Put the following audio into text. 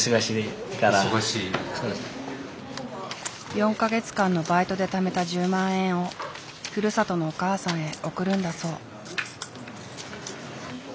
４か月間のバイトでためた１０万円をふるさとのお母さんへ送るんだそう。